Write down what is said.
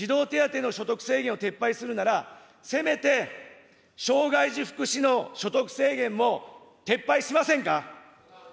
総理、児童手当の所得制限を撤廃するなら、せめて障害児福祉の所得制限も撤廃しませんか。